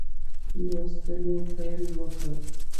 لوستلو پیل وکړ.